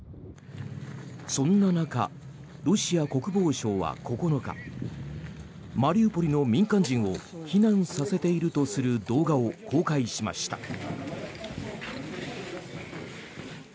そんな中、ロシア国防省は９日マリウポリの民間人を避難させているとする動画を公開しました。